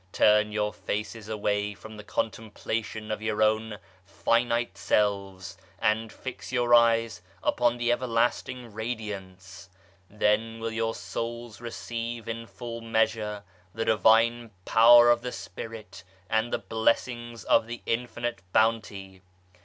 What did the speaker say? Turn your faces away from the contemplation of your own finite selves and fix your eyes upon the Everlasting Radiance ; then will your souls receive in full measure the Divine Power of the Spirit and the Blessings of the Infinite Bounty.